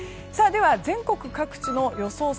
では、全国各地の予想